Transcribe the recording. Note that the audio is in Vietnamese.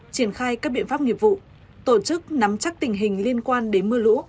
triển khai các biện pháp nghiệp vụ tổ chức nắm chắc tình hình liên quan đến mưa lũ